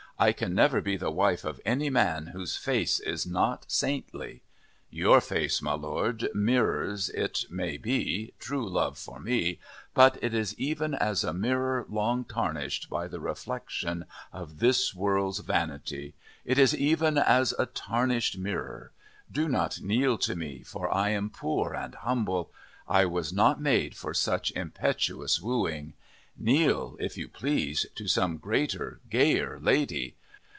"I can never be the wife of any man whose face is not saintly. Your face, my Lord, mirrors, it may be, true love for me, but it is even as a mirror long tarnished by the reflexion of this world's vanity. It is even as a tarnished mirror. Do not kneel to me, for I am poor and humble. I was not made for such impetuous wooing. Kneel, if you please, to some greater, gayer lady.